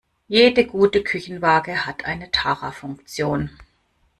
Jede gute Küchenwaage hat eine Tara-Funktion.